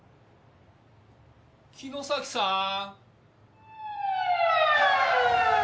城崎さーん？